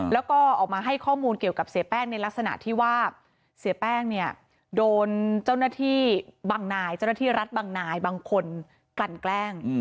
และให้ข้อมูลเกี่ยวกับเสียแป้งในลักษณะโดนเจ้าหน้าที่รัฐของบางนายบางคนกลั่นแกล้ง